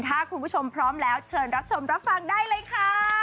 ถ้าคุณผู้ชมพร้อมแล้วเชิญรับชมรับฟังได้เลยค่ะ